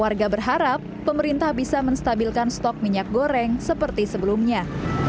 warga berharap pemerintah bisa menstabilkan stok minyak goreng seperti sebelumnya